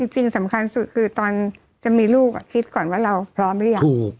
จริงสำคัญสุดคือตอนจะมีลูกคิดก่อนว่าเราพร้อมหรือยัง